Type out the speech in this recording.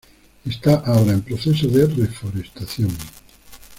Está ahora en proceso de reforestación.